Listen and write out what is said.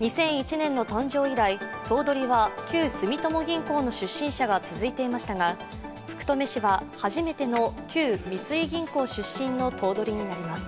２００１年の誕生以来、頭取は旧住友銀行の出身者が続いていましたが福留氏は初めての旧三井銀行出身の頭取になります。